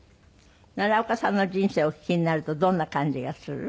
奈良岡さんの人生をお聞きになるとどんな感じがする？